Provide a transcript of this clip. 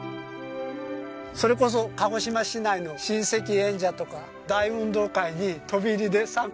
それこそ鹿児島市内の親戚縁者とか大運動会に飛び入りで参加されてたそうです。